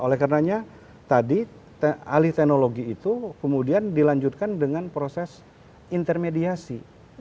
oleh karenanya tadi alih teknologi itu kemudian dilanjutkan dengan proses intermediasi